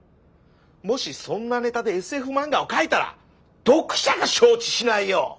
もしそんなネタでＳＦマンガを描いたら読者が承知しないよ！